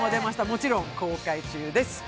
もちろん公開中です。